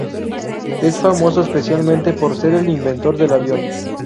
Es famoso especialmente por ser el inventor del avión.